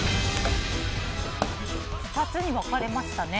２つに分かれましたね。